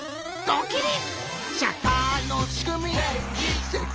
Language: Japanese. ドキリ！